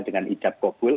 dengan idab gogul